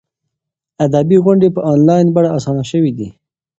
ادبي غونډې په انلاین بڼه اسانه شوي دي.